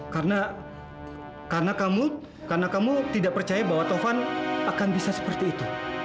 karena karena kamu karena kamu tidak percaya bahwa taufan akan bisa seperti itu